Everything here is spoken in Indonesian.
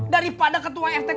daripada ketua rt dua